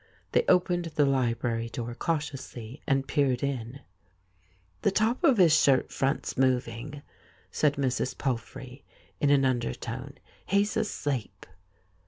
They opened the library door cautiously and peered in. 'The top of his shirt front's moving,' said Mrs. Palfrey in an undertone. ' He's asleep.'